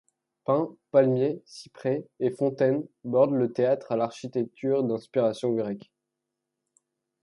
Pins, palmiers, cyprès, et fontaines bordent le théâtre à l’architecture d’inspiration grecque.